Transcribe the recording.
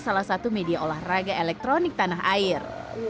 salah satu media olahraga elektronik tanah air